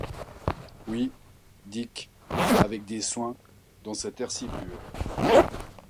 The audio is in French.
Oui, Dick, avec des soins, dans cet air si pur.